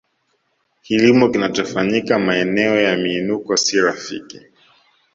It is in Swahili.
Kilimo kinachofanyika maeneo ya miinuko si rafiki